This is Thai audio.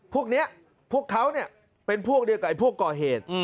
พวกเนี้ยพวกเขาเนี่ยเป็นพวกเดียวกับไอ้พวกก่อเหตุ